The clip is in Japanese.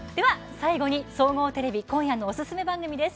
最後に総合テレビ今夜のおすすめ番組です。